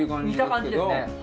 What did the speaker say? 似た感じですね。